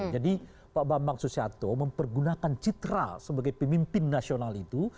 jadi pak bang bang susatyo mempergunakan citra sebagai pemimpin nasional itu